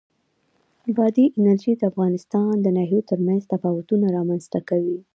بادي انرژي د افغانستان د ناحیو ترمنځ تفاوتونه رامنځ ته کوي.